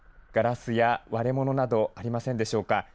ガラスや割れものなどありませんでしょうか。